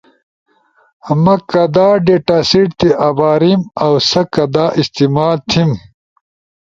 ما کدا ڈیٹا سیٹ تی اباریم اؤ سا کدا استعمال تھیم۔